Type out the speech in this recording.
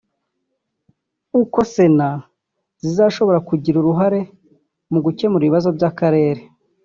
kuko Sena zishobora kugira uruhare mu gukemura ibibazo by’Akarere